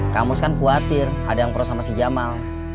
kang mus kan khawatir ada yang perut sama si jamal